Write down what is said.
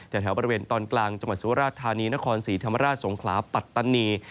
แถวบริเวณตอนกลางจังหวัดสุราชธานีนครศรีธรรมราชสงขลาปัตตานี